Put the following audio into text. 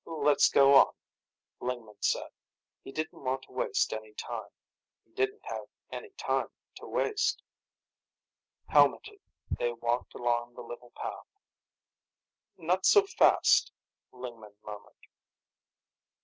"Let's get on," Lingman said. He didn't want to waste any time. He didn't have any time to waste. Helmeted, they walked along the little path. "Not so fast," Lingman murmured.